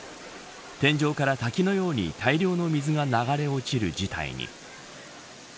天井から滝のように大量の水が流れ落ちる事態に。